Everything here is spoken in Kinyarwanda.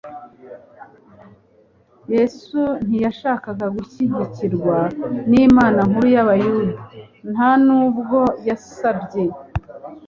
Yesu ntiyashakaga gushyigikirwa n'inama nkuru y'abayuda, nta nubwo yasabye.